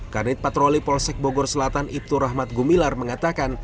kanit patroli polsek bogor selatan ibtur rahmat gumilar mengatakan